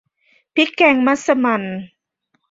พริกแกงมัสมั่น